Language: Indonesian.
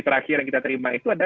terakhir yang kita terima itu adalah